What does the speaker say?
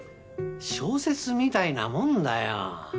小説みたいなもんだよ。